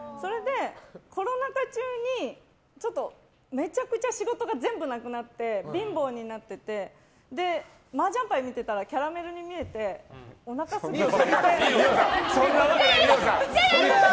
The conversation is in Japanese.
コロナ禍中にちょっとめちゃくちゃ仕事が全部なくなって貧乏になっててマージャン牌見てたらキャラメルに見えて二葉さん！